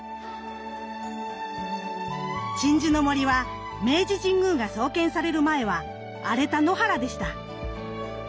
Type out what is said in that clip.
鎮守の森は明治神宮が創建される前は荒れた野原でした。